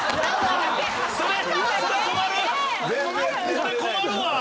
それ困るわ！